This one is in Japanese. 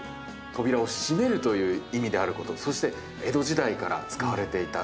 扉を閉めるという意味であることそして江戸時代から使われていた。